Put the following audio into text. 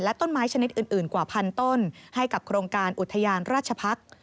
ต้นไม้ชนิดอื่นกว่าพันต้นให้กับโครงการอุทยานราชพักษ์